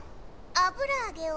あぶらあげを。